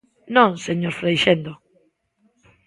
Non, señor Freixendo.